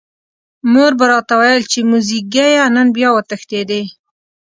مور به راته ویل چې موزیګیه نن بیا وتښتېدې.